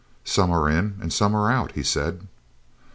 "Some are in and some are out," he said.